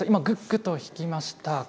グッグッと引きました。